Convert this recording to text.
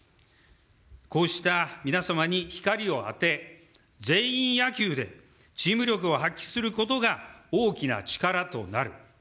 こうした皆様に光を当て、全員野球でチーム力を発揮することが大きな力となる。